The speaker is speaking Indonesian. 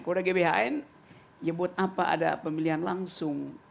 kalau ada gbhn ya buat apa ada pemilihan langsung